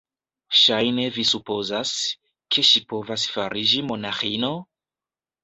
Ŝajne vi supozas, ke ŝi povas fariĝi monaĥino?